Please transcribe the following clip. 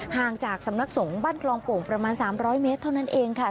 ห่างจากสำนักสงฆ์บ้านคลองโป่งประมาณ๓๐๐เมตรเท่านั้นเองค่ะ